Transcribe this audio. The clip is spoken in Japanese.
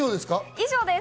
以上です。